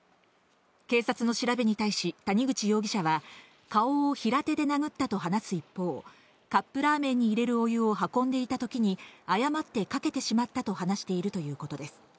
警察の調べに対し、谷口容疑者は、顔を平手で殴ったと話す一方、カップラーメンに入れるお湯を運んでいたときに、誤ってかけてしまったと話しているということです。